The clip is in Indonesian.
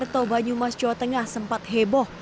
tidak masuk ke jalur hukum